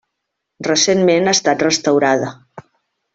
Recentment ha estat restaurada.